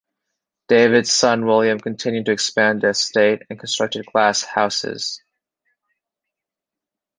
David's son William continued to expand the estate and constructed glasshouses.